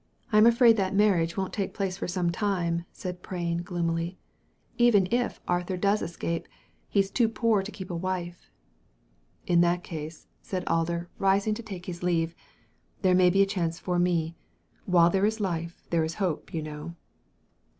I'm afraid that marriage won't take place for some time," said Prain, gloomily; "even if Arthur does escape, he's too poor to keep a wife." •* In that case," said Alder, rising to take his leave, Digitized by Google I $6 THE LADY FROM NOWHERE " there may be a chance for me. While there is life there's hope, you know."